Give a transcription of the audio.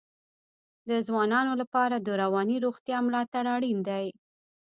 د ځوانانو لپاره د رواني روغتیا ملاتړ اړین دی.